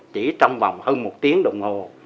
chỉ trong vòng hơn một tiếng đồng hồ